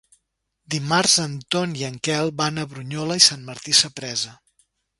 Dimarts en Ton i en Quel van a Brunyola i Sant Martí Sapresa.